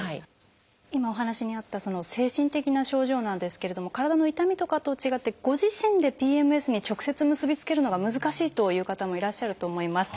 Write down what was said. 今お話にあったその精神的な症状なんですけれども体の痛みとかとは違ってご自身でＰＭＳに直接結び付けるのが難しいという方もいらっしゃると思います。